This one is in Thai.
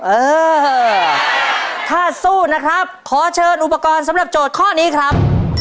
เออถ้าสู้นะครับขอเชิญอุปกรณ์สำหรับโจทย์ข้อนี้ครับ